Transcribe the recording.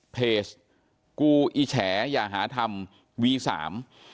เพจกูอีแฉอย่าหาธรรมวีสาม